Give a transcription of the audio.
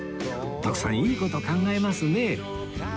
徳さんいい事考えますね